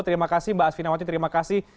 terima kasih mbak asvina wati terima kasih